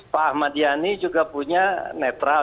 pak ahmad yani juga punya netral